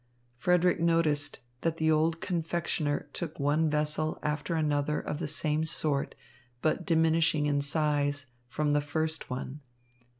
Frederick noticed that the old confectioner took one vessel after another of the same sort, but diminishing in size, from the first one.